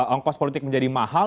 ongkos politik menjadi mahal